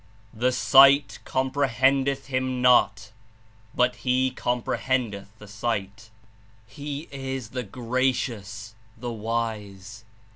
'The sight comprehendeth Him not, but He comprehendeth the sight; He Is the Gracious, the Wise'."